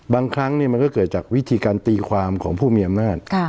บางครั้งมันก็เกิดจากวิธีการตีความของผู้มีอำนาจ